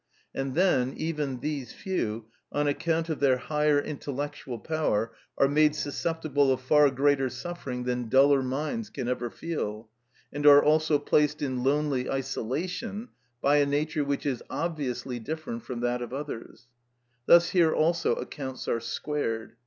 And then, even these few, on account of their higher intellectual power, are made susceptible of far greater suffering than duller minds can ever feel, and are also placed in lonely isolation by a nature which is obviously different from that of others; thus here also accounts are squared.